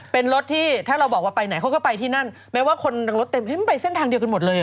เป็นรถที่ถ้าเราบอกว่าไปไหนเขาก็ไปที่นั่นแม้ว่าคนรถเต็มมันไปเส้นทางเดียวกันหมดเลย